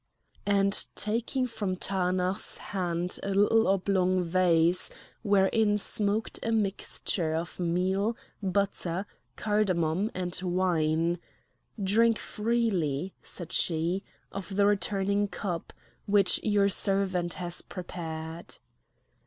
And taking from Taanach's hands a little oblong vase wherein smoked a mixture of meal, butter, cardamom, and wine: "Drink freely," said she, "of the returning cup, which your servant has prepared!"